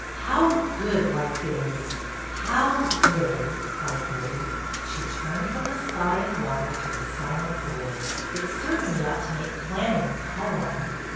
How good life is ! How good !" cried Betty. She turned from the sky and water to the silent boy. It certainly ought to make clamming a poem."